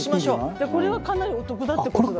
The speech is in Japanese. じゃあこれはかなりお得だって事だ。